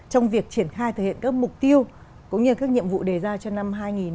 trong việc triển khai thực hiện các mục tiêu cũng như các nhiệm vụ đề ra cho năm hai nghìn hai mươi